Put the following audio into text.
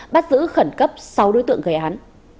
bắt giữ khẩn cấp sáu đối tượng gây án